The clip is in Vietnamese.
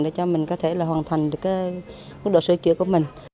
để cho mình có thể là hoàn thành được mức độ sửa chữa của mình